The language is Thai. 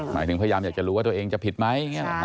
หมายถึงพยายามอยากจะรู้ว่าตัวเองจะผิดไหม